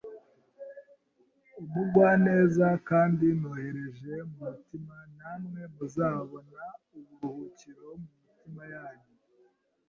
umuugwaneza kand noroheje mu mutima, na mwe muzabona uburuhukiro mu mitima yanyu